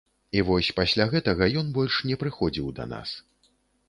І вось пасля гэтага ён больш не прыходзіў да нас.